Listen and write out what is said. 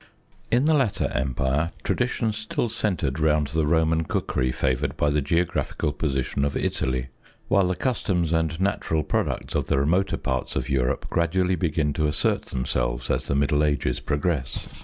In the later empire, tradition still centred round the Roman cookery favoured by the geographical position of Italy; while the customs and natural products of the remoter parts of Europe gradually begin to assert themselves as the middle ages progress.